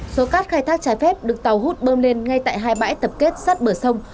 số cát khai thác trái phép được tàu hút bơm lên ngay tại hai bãi tập kết sát bờ sông